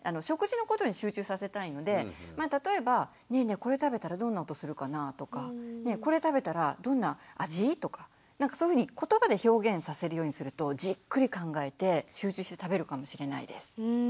食事のことに集中させたいので例えば「ねえねえこれ食べたらどんな音するかな？」とか「これ食べたらどんな味？」とかそういうふうに言葉で表現させるようにするとじっくり考えて集中して食べるかもしれないです。